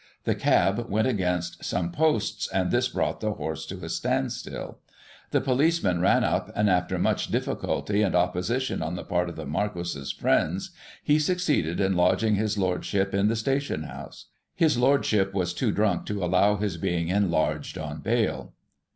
The cab went against some posts, and this brought the horse to a standstill. The policeman ran up, and after much difficulty and opposition on the part of the Marquis's friends, he succeeded in lodging his lordship in the station house. His lordship was too drunk to allow his being enlarged on bail.